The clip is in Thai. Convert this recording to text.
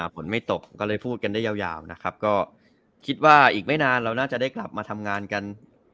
ฝนไม่ตกก็เลยพูดกันได้ยาวนะครับก็คิดว่าอีกไม่นานเราน่าจะได้กลับมาทำงานกัน